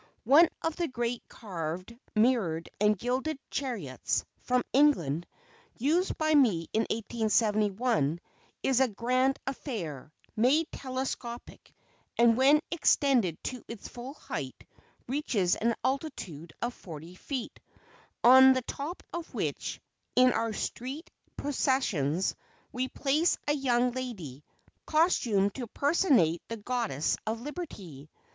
One of the great carved, mirrored and gilded chariots, from England, used by me in 1871, is a grand affair, made telescopic, and when extended to its full height reaches an altitude of forty feet, on the top of which, in our street processions, we place a young lady, costumed to personate the Goddess of Liberty.